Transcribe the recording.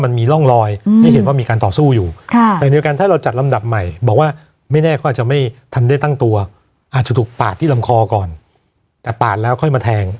พวกเขาก็อายุบอาสาธารณ์แล้วค่อยมาแทง